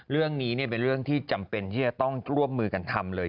เรื่องนี้เป็นเรื่องที่จำเป็นที่จะต้องร่วมมือกันทำเลย